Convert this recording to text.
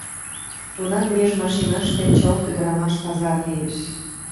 Тунам меж машиныште чылт ӱдырамаш пазар лиеш.